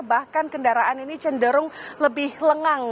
bahkan kendaraan ini cenderung lebih lengang